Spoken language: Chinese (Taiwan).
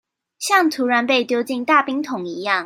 像突然被丟進大冰桶一樣